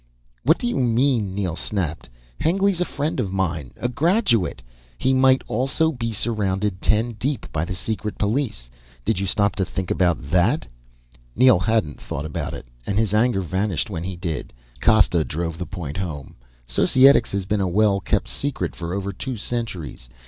"What do you mean!" Neel snapped. "Hengly's a friend of mine, a graduate " "He might also be surrounded ten deep by the secret police. Did you stop to think about that?" Neel hadn't thought about it, and his anger vanished when he did. Costa drove the point home. "Societics has been a well kept secret for over two centuries.